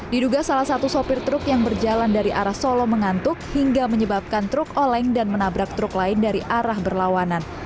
diduga salah satu sopir truk yang berjalan dari arah solo mengantuk hingga menyebabkan truk oleng dan menabrak truk lain dari arah berlawanan